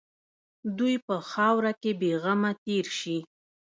دوی په خاوره کې بېغمه تېر شي.